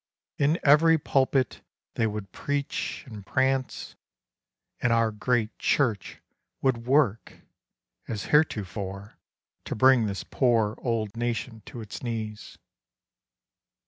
In every pulpit they would preach and prance; And our great Church would work, as heretofore To bring this poor old Nation to its knees.